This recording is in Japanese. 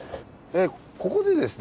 ここでですね